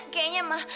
kayanya kayaknya mah